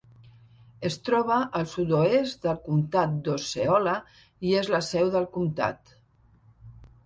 Es troba al sud-oest del comtat d'Osceola i és la seu del comtat.